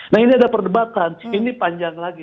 nah ini ada perdebatan ini panjang lagi